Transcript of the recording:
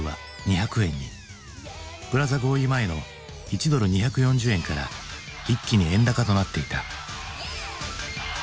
プラザ合意前の１ドル＝２４０円から一気に円高となっていた。